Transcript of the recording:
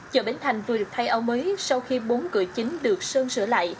chợ bến thành vừa được thay áo mới sau khi bốn cửa chính được sơn sửa lại